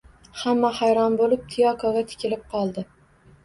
Hamma hayron bo`lib Tiyokoga tikilib qoldi